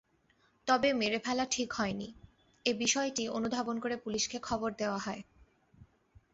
তবে মেরে ফেলা ঠিক হয়নি—এ বিষয়টি অনুধাবন করে পুলিশকে খবর দেওয়া হয়।